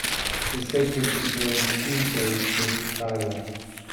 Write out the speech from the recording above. The segment is named "Tuesdays With Tyler".